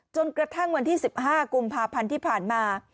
จนกระทั่งวันที่๑๕กุมภาพันธ์ที่ผ่านมา